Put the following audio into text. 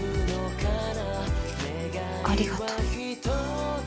ありがとう。